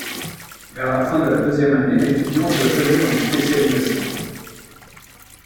Vers la fin de la deuxième année, l'étudiant doit choisir une spécialisation.